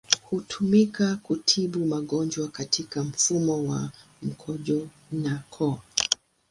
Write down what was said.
Hutumika kutibu magonjwa katika mfumo wa mkojo na koo.